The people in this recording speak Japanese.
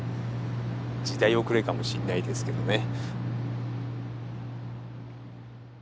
時代遅れかもしんないですけどね。